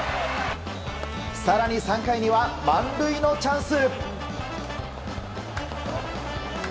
更に３回には満塁のチャンス。